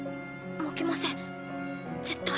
負けません絶対。